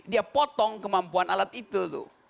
dia potong kemampuan alat itu tuh